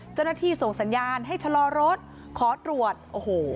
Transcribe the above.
เจ้าหน้าที่ส่งสัญญาณให้ชะลอรถขอตรวจโอ้โห